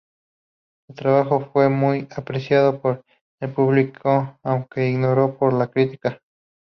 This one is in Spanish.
Su trabajo fue muy apreciado por el público, aunque ignorado por la crítica.